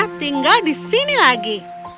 aku akan tinggal di sini lagi